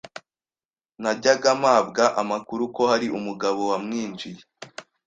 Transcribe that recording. Najyaga mpabwa amakuru ko hari umugabo wamwinjiye